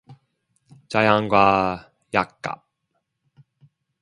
자양과 약값